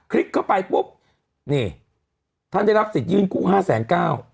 คลิกเข้าไปปุ๊บนี่ท่านได้รับสิทธิยืนกู้๕๙๐๐บาท